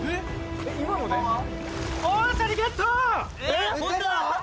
えっ！？